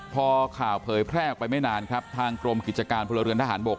พอข่าวเผยแพร่ออกไปไม่นานครับทางกรมกิจการพลเรือนทหารบก